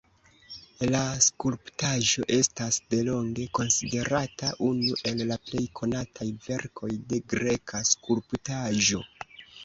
La skulptaĵo estas delonge konsiderata unu el la plej konataj verkoj de greka skulptaĵo.